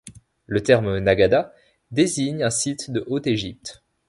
Le terme Nagada désigne un site de Haute-Égypte.